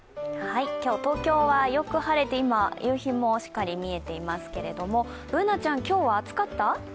今日、東京はよく晴れて、今、夕日もしっかり見えていますが、Ｂｏｏｎａちゃん、今日は、暑かった？